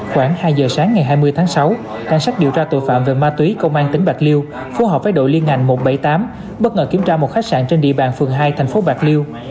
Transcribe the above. khoảng hai giờ sáng ngày hai mươi tháng sáu cảnh sát điều tra tội phạm về ma túy công an tỉnh bạc liêu phối hợp với đội liên ngành một trăm bảy mươi tám bất ngờ kiểm tra một khách sạn trên địa bàn phường hai thành phố bạc liêu